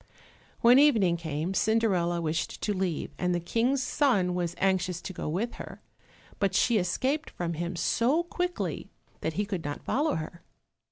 When evening came, Cinderella wished to leave, and the King's son was anxious to go with her, but she escaped from him so quickly that he could not follow her.